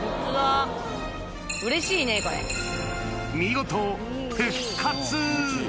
見事、復活。